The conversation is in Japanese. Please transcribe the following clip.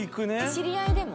知り合いでも？